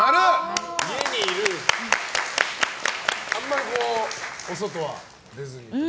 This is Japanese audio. あんまり、お外は出ずに？